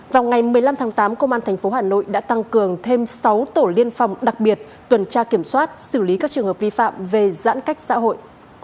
vào ngày một mươi năm tháng tám công an tp hà nội đã tăng cường thêm sáu tổ liên phòng đặc biệt tuần tra kiểm soát xử lý các trường hợp vi phạm về giãn cách xã hội